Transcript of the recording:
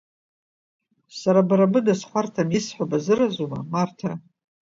Сара бара быда схәарҭам, исҳәо базыразума, Марҭа?